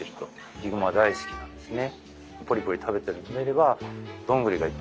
ヒグマ大好きなんですね。